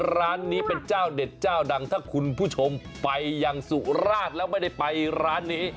ร้านนี้เป็นเจ้าเด็ดเจ้าดังถ้าคุณผู้ชมไปยังสุราชแล้วไม่ได้ไปร้านนี้